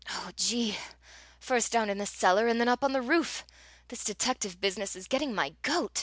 "Oh, gee! first down in the cellar, and then up on the roof! This detective business is getting my goat!"